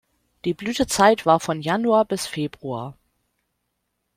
Die Blütezeit war von Januar bis Februar.